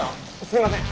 すいません。